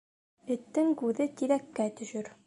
Эттең күҙе тиҙәккә төшөр.